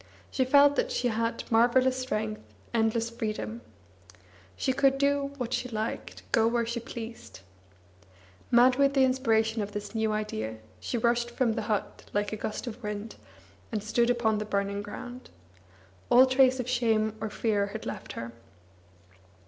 She felt that she had marvellous strength, endless freedom. She could do what she liked, go where she pleased. Mad with the inspiration of this new idea, she rushed from the but like a gust of wind, and stood upon the burning ground. All trace of shame or fear had left her.